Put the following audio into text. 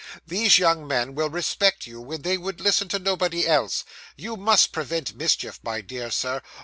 These young men will respect you, when they would listen to nobody else. You must prevent mischief, my dear Sir.